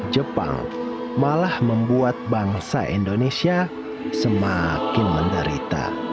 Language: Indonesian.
jepang malah membuat bangsa indonesia semakin menderita